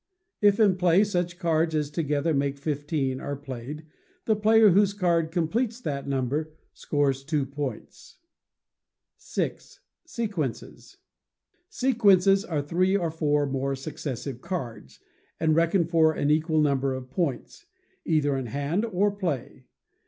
If in play, such cards as together make fifteen are played, the player whose card completes that number, scores two points. vi. Sequences are three or four more successive cards, and reckon for an equal number of points, either in hand or play.